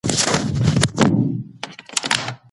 هغوی زاړه کتابونه راواخيستل.